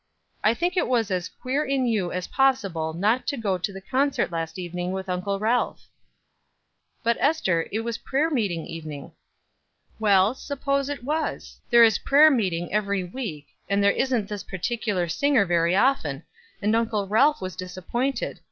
"I think it was as queer in you as possible not to go to the concert last evening with Uncle Ralph?" "But, Ester, it was prayer meeting evening." "Well, suppose it was. There is prayer meeting every week, and there isn't this particular singer very often, and Uncle Ralph was disappointed.